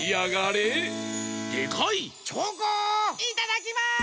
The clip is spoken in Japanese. いただきます！